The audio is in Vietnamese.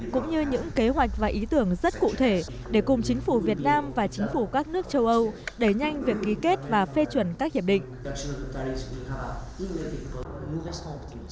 cũng như những kế hoạch và ý tưởng rất cụ thể để cùng chính phủ việt nam và chính phủ các nước châu âu đẩy nhanh việc ký kết và phê chuẩn các hiệp định